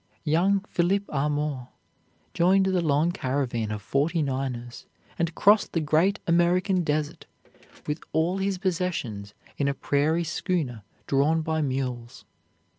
Young Philip Armour joined the long caravan of Forty Niners, and crossed the "Great American Desert" with all his possessions in a prairie schooner drawn by mules.